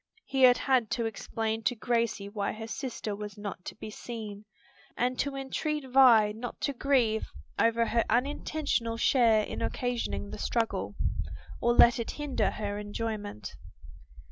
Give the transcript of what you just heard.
He had had to explain to Gracie why her sister was not to be seen, and to entreat Vi not to grieve over her unintentional share in occasioning the struggle, or let it hinder her enjoyment.